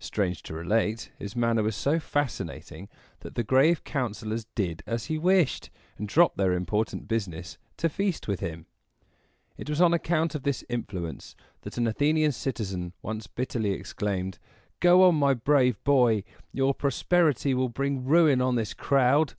Strange to relate, his manner was so fascinating that the grave councilors did as he wished, and dropped their important business to feast with him. It was on account of this influence that an Athenian citizen once bitterly exclaimed, "Go on, my brave boy! Your prosperity will bring ruin on this crowd."